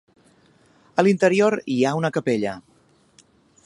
A l'interior hi ha una capella.